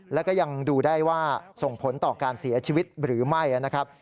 แล้วก็ยังดูได้ว่าส่งผลต่อการเสียชีวิตหรือไม่นะครับ